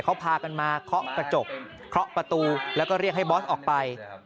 เขาพากันมาเคาะกระจกเคาะประตูแล้วก็เรียกให้บอสออกไป